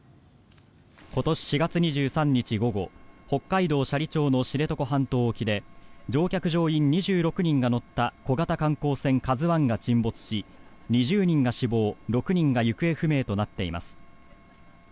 今年４月２３日午後北海道斜里町の知床半島沖で乗客・乗員２６人が乗った小型観光船ＫＡＺＵ１が沈没し２０人が死亡６人が行方不明となっています。